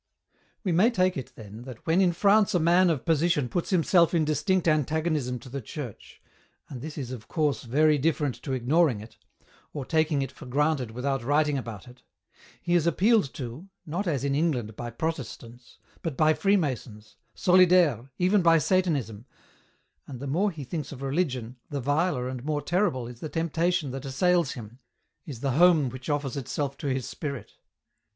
We may take it, then, that when in France a man of position puts himself in distinct antagonism to the Church, and this is of course very different to ignoring it, or taking it for granted without writing about it, he is appealed to, not as in England by Protestants, but by Freemasons^ translator's note. vii " Solidaires," even by Satanism, and the more he thinks of religion, the viler and more terrible is the temptation that assails him, is the home which offers itself to his spirit.